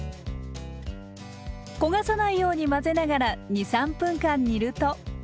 焦がさないように混ぜながら２３分間煮ると。